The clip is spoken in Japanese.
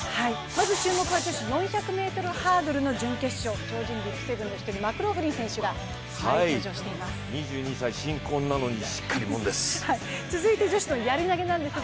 まず注目は女子４００ｍハードルの準決勝超人ＢＩＧ７の一人、マクローフリン選手が登場しています。